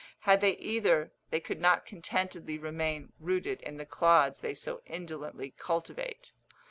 Had they either they could not contentedly remain rooted in the clods they so indolently cultivate.